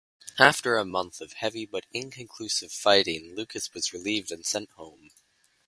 After a month of heavy but inconclusive fighting, Lucas was relieved and sent home.